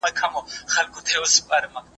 د هېواد ساتنه د افغانانو لپاره ستر مسؤليت دی.